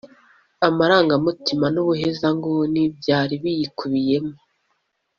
amarangamutima n’ubuhezanguni byari biyikubiyemo